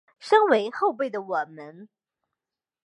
身为后辈的我们